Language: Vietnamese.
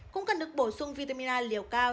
cũng cần được bổ sung vitamin a liều cao